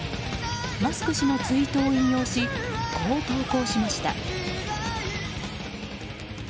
マスク氏のツイートを引用しこう投稿しました。